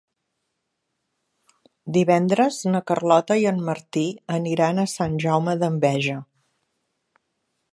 Divendres na Carlota i en Martí aniran a Sant Jaume d'Enveja.